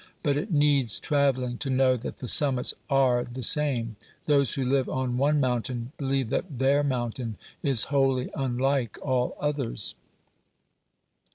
But it needs travelling to know that the summits ARE the same. Those who live on one mountain believe that THEIR mountain is wholly unlike all others.